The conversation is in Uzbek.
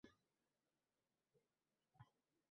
Qrim tog’larining suratini qo’ydik.